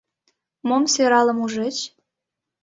— Мом сӧралым ужыч?